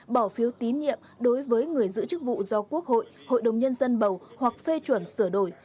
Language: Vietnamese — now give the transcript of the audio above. bỏ phiếu tín nhiệm đối với người giữ chức vụ do quốc hội hội đồng nhân dân bầu hoặc phê chuẩn sửa đổi